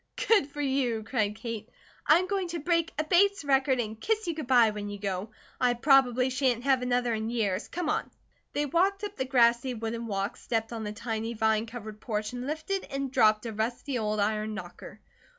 "Good for you!" cried Kate. "I am going to break a Bates record and kiss you good bye, when you go. I probably shan't have another in years. Come on." They walked up the grassy wooden walk, stepped on the tiny, vine covered porch, and lifted and dropped a rusty old iron knocker.